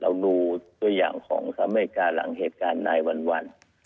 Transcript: เราดูตัวอย่างของสหรัฐอเมริกาหลังเหตุการณ์นายวัน